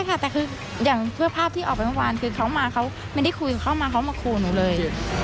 ใช่ค่ะแต่คืออย่างเพื่อภาพที่ออกไปเมื่อวานคือเขามาเขาไม่ได้คุยเข้ามาเขามาขู่หนูเลย